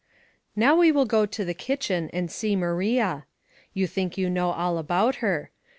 OW we will go to the kitchen and see Mciria. You think you know all about her.